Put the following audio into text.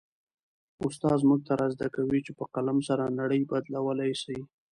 استاد موږ ته را زده کوي چي په قلم سره نړۍ بدلولای سي.